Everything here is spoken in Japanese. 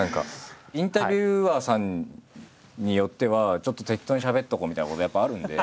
インタビュアーさんによってはちょっと適当にしゃべっとこうみたいなことやっぱあるんで。